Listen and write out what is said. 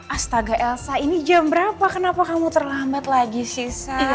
astaga elsa ini jam berapa kenapa kamu terlambat lagi sheisa